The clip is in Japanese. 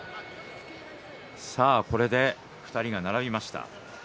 さあ、これで２人が並びました。